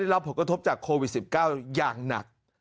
รับผลกระทบจากโควิด๑๙อย่างหนัก